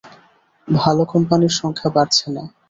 ভালো কোম্পানির সংখ্যা বাড়ছে না।